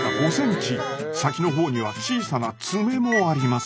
先の方には小さな爪もあります。